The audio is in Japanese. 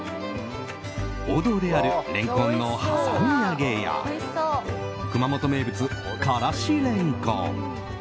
王道であるレンコンのはさみ揚げや熊本名物・からしれんこん。